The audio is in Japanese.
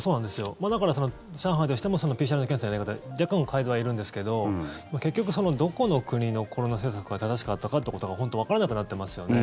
だから、上海としてもＰＣＲ検査のやり方に若干の改善はいるんですけど結局、どこの国のコロナ政策が正しかったかということが本当にわからなくなっていますよね。